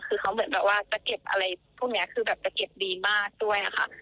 คือเขาเหมือนแบบว่าจะเก็บอะไรพวกนี้คือแบบจะเก็บดีมากด้วยค่ะ